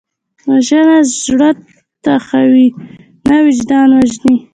وژنه زړه یخوي نه، وجدان وژني